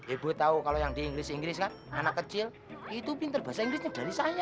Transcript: ibu tahu kalau yang di inggris inggris kan anak kecil itu pintar bahasa inggrisnya dari saya